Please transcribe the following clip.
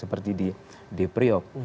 seperti di priok